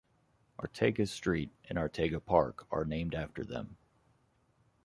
Arteaga Street and Arteaga Park are named after them.